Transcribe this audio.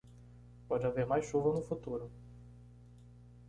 Pode haver mais chuva no futuro.